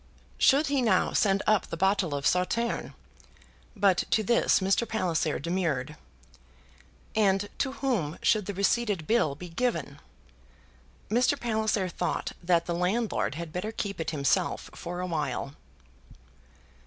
"Should he now send up the bottle of Sauterne?" but to this Mr. Palliser demurred. "And to whom should the receipted bill be given?" Mr. Palliser thought that the landlord had better keep it himself for a while.